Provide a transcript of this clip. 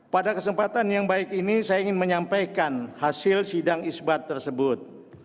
pada kesempatan yang baik ini saya ingin menyampaikan hasil sidang isbat tersebut